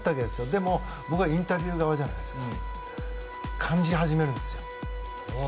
でも、僕はインタビュー側じゃないですか。感じ始めるんです。